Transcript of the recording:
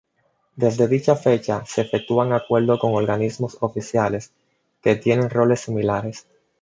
Desde dicha fecha se efectúan acuerdo con organismos oficiales que tienen roles similares.